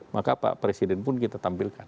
maka pak presiden pun kita tampilkan